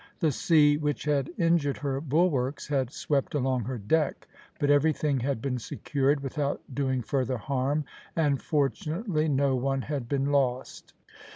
The sea which had injured her bulwarks had swept along her deck, but everything had been secured, without doing further harm, and fortunately no one had been lost.